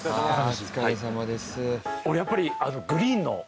お疲れさまです。